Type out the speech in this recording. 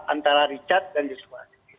antara richard dan yusuf